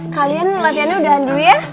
kalian latihannya udah handui ya